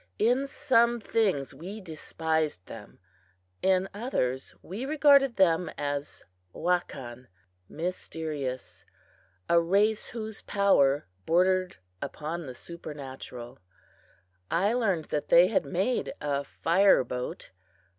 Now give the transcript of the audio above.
In some things we despised them; in others we regarded them as wakan (mysterious), a race whose power bordered upon the supernatural. I learned that they had made a "fireboat."